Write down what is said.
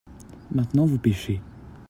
maintenant vous pêchez.